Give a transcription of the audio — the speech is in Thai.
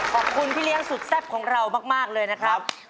พี่เลี้ยงสุดแซ่บของเรามากเลยนะครับ